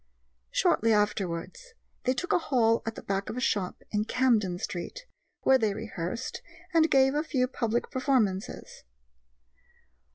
Shortly afterwards they took a hall at the back of a shop in Camden Street, where they rehearsed and gave a few public performances.